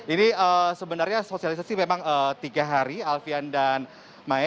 ini sebenarnya sosialisasi memang tiga hari alfian dan maya